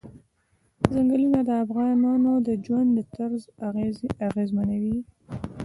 ځنګلونه د افغانانو د ژوند طرز اغېزمنوي.